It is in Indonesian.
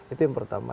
itu yang pertama